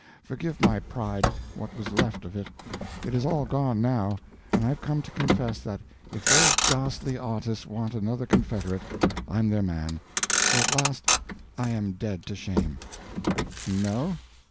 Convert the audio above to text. Forgive my pride—what was left of it. It is all gone, now, and I've come to confess that if those ghastly artists want another confederate, I'm their man—for at last I am dead to shame." "No?